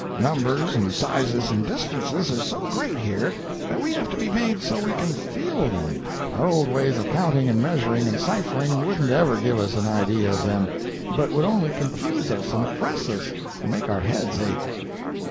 Numbers and sizes and distances are so great, here, that we have to be made so we can feel them—our old ways of counting and measuring and ciphering wouldn't ever give us an idea of them, but would only confuse us and oppress us and make our heads ache."